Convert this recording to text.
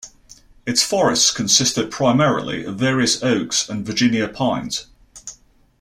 Its forests consist primarily of various oaks and Virginia pines.